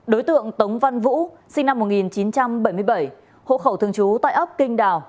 đối tượng tống văn vũ sinh năm một nghìn chín trăm bảy mươi bảy hộ khẩu thường trú tại ấp kinh đào